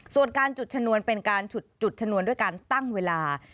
ส่วนการจุดชนวนเป็นการจุดชนวนด้วยการตั้งเวลา